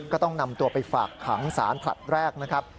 ก็ต้องนำตัวไปฝากขังสารผลัดแรกนะครับ